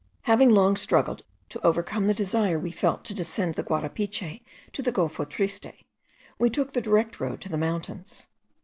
Having long struggled to overcome the desire we felt to descend the Guarapiche to the Golfo Triste, we took the direct road to the mountains.